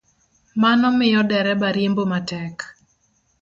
Mano miyo dereba riembo matek